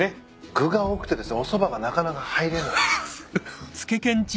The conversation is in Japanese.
具が多くてですねおそばがなかなか入れない。